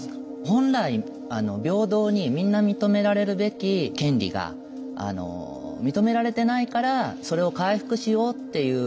本来平等にみんな認められるべき権利が認められてないからそれを回復しようっていう。